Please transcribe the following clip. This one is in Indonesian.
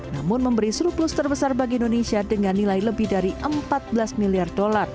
namun memberi surplus terbesar bagi indonesia dengan nilai lebih dari empat belas miliar dolar